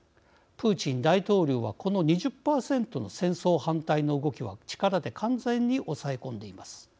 プーチン大統領はこの２０％の戦争反対の動きは力で完全に押さえ込んでいます。